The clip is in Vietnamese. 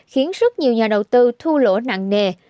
khiến rất nhiều nhà đầu tư thu lỗ nặng nề